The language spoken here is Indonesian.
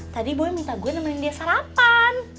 tadi boy minta gue nemenin dia sarapan